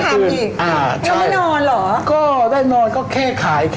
แล้วกลางคืนเราก็ต้องทำอีก